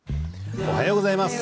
おはようございます。